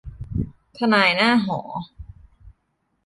ทนายหน้าหอ